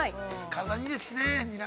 ◆体にいいですしね、ニラ。